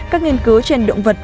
các nghiên cứu trên động vật